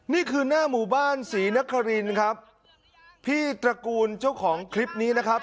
นี่คือหน้าหมู่บ้านศรีนครินครับพี่ตระกูลเจ้าของคลิปนี้นะครับ